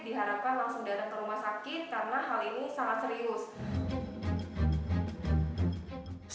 diharapkan langsung datang ke rumah sakit karena hal ini sangat serius